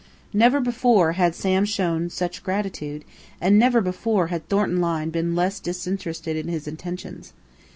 Never before had Sam shown such gratitude; and never before had Thornton Lyne been less disinterested in his attentions.